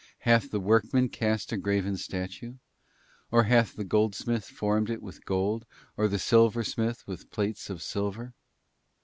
Hath the _ workman cast a graven statue? or hath the goldsmith formed _ it with gold, or the silversmith with plates of silver?